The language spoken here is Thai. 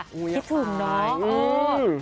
คิดถึงเนาะ